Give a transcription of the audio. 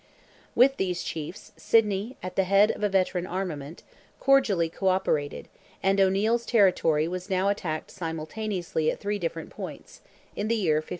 With these chiefs, Sidney, at the head of a veteran armament, cordially co operated, and O'Neil's territory was now attacked simultaneously at three different points—in the year 1566.